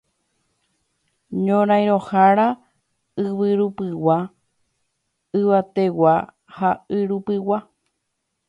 ñorairõhára yvyrupigua, yvategua ha yrupigua.